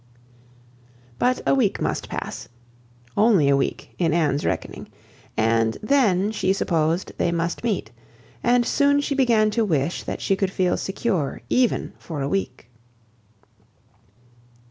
But a week must pass; only a week, in Anne's reckoning, and then, she supposed, they must meet; and soon she began to wish that she could feel secure even for a week.